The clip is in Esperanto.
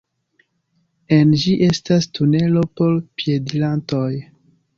En ĝi estas tunelo por piedirantoj.